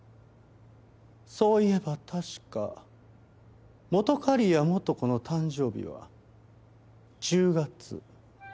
そういえば確か本仮屋素子の誕生日は１０月。